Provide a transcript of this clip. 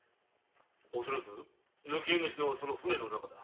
恐らく抜け荷の品はその船の中だ。